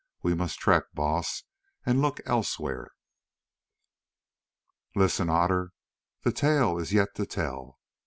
We must trek, Baas, and look elsewhere." "Listen, Otter, the tale is yet to tell.